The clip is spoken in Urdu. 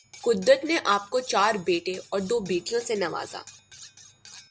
قدرت نے آپ کو چار بیٹوں اور دو بیٹیوں سے نوازا